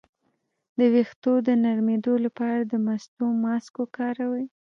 د ویښتو د نرمیدو لپاره د مستو ماسک وکاروئ